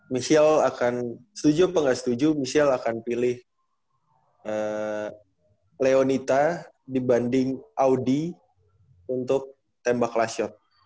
michelle akan setuju apa nggak setuju michelle akan pilih leonita dibanding audi untuk tembak lasyot